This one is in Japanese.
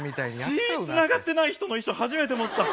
血つながってない人の遺書初めて持った。